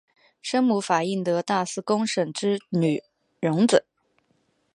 生母法印德大寺公审之女荣子。